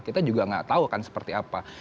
kita juga nggak tahu kan seperti apa